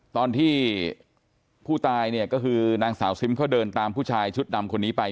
ตอนที่ผู้ตายเนี่ยก็คือนางสาวซิมเขาเดินตามผู้ชายชุดดำคนนี้ไป